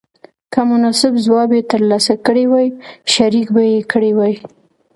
که مناسب ځواب یې تر لاسه کړی وای شریک به یې کړی وای.